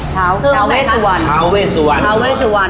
ท้าวเวสุวรรณ